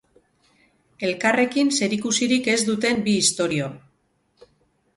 Elkarrekin zerikusirik ez duten bi istorio.